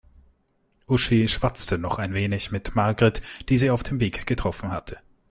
Uschi schwatzte noch ein wenig mit Margret, die sie auf dem Weg getroffen hatte.